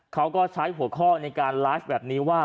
เขาก็ใช้หัวข้อในการไลฟ์แบบนี้ว่า